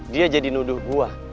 dia jadi nuduh gue